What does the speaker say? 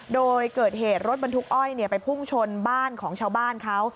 โดยเกิดเหตุรถบรรทุกอ้อยไปพุ่งชนบ้านของชาวบ้านเขา